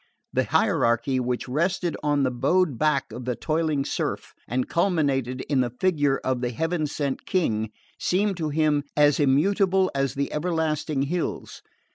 The hierarchy which rested on the bowed back of the toiling serf and culminated in the figure of the heaven sent King seemed to him as immutable as the everlasting hills.